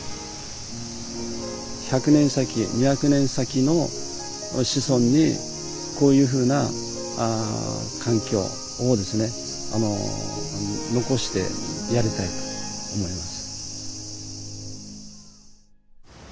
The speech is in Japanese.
１００年先２００年先の子孫にこういうふうな環境をですね残してやりたいと思います。